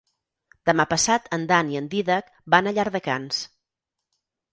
Demà passat en Dan i en Dídac van a Llardecans.